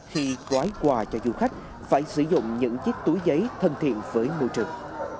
khi gói quà cho du khách phải sử dụng những chiếc túi giấy thân thiện với môi trường